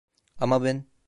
Ama ben...